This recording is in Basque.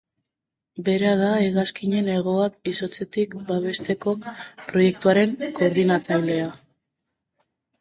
Bera da hegazkinen hegoak izotzetik babesteko proiektuaren koordinatzailea.